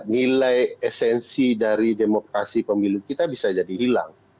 nilai esensi dari demokrasi pemilu kita bisa jadi hilang